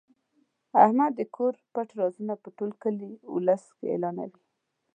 احمد د کور پټ رازونه په ټول کلي اولس کې اعلانوي.